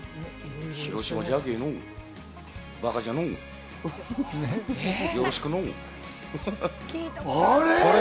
あれ？